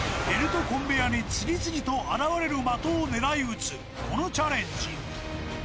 ベルトコンベアに次々と現れる的を狙い打つこのチャレンジ